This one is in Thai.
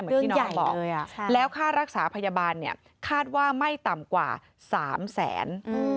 เรื่องใหญ่แล้วค่ารักษาพยาบาลเนี่ยคาดว่าไม่ต่ำกว่า๓แสน